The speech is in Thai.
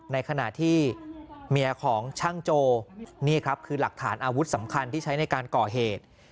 ในขณะที่เมียของช่างโจนี่ครับคือหลักฐานอาวุธสำคัญที่ใช้ในการก่อเหตุ